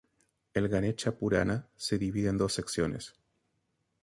El "Ganesha Purana" se divide en dos secciones.